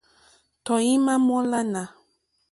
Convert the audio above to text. Tɔ̀ímá mǃólánà.